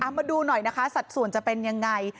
มาดูหน่อยนะคะสัดส่วนจะเป็นยังไง